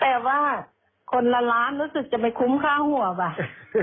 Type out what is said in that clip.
แปลว่าคนละล้านรู้สึกจะไม่คุ้มค่าหัวบ้าง